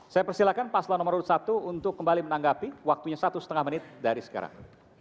saya persilahkan paslon nomor urut satu untuk kembali menanggapi waktunya satu setengah menit dari sekarang